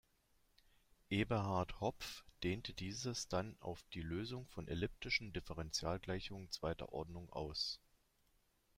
Eberhard Hopf dehnte dieses dann auf die Lösungen von elliptischen Differentialgleichungen zweiter Ordnung aus.